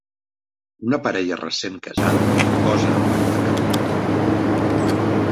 Una parella recent casada posa per a la càmera.